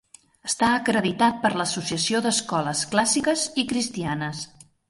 Està acreditat per l'Associació d'Escoles Clàssiques i Cristianes.